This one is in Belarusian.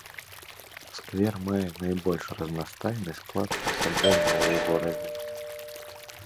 Сквер мае найбольш разнастайны склад насаджэнняў у горадзе.